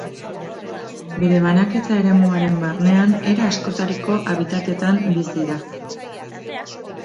Bere banaketa-eremuaren barnean era askotariko habitatetan bizi da.